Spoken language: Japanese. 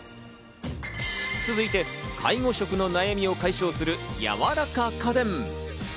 続いて、介護職の悩みを解消する、やわらか家電。